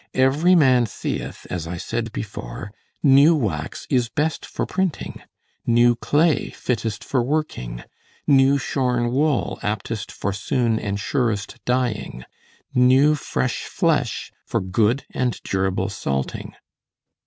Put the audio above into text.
"Every man seeth (as I said before) new wax is best for printing, new clay fittest for working, new shorn wool aptest for soon and surest dyeing, new fresh flesh for good and durable salting."